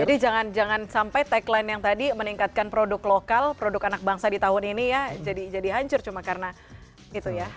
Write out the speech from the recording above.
jadi jangan sampai tagline yang tadi meningkatkan produk lokal produk anak bangsa di tahun ini ya jadi hancur cuma karena itu ya